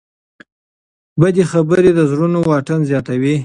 بدې خبرې د زړونو واټن زیاتوي.